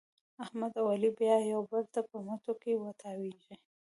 احمد او علي بیا یو بل ته په مټو کې تاوېږي.